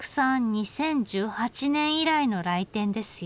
２０１８年以来の来店ですよ。